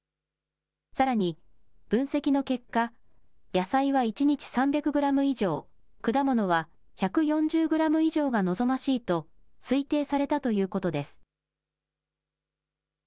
さらに分析の結果、野菜は１日３００グラム以上、果物は１４０グラム以上が望ましいと推定されたということです。